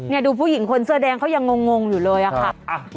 นี่ดูผู้หญิงคนเสื้อแดงเขายังงงอยู่เลยอะค่ะ